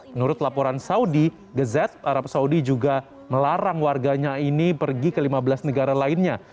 menurut laporan saudi gez arab saudi juga melarang warganya ini pergi ke lima belas negara lainnya